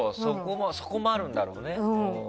そこもあるんだろうね。